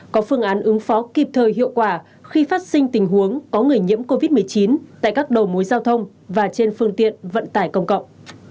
có phương án ứng phó kịp thời hiệu quả khi phát sinh tình huống có người nhiễm covid một mươi chín tại các đầu mối giao thông và trên phương tiện vận tải công cộng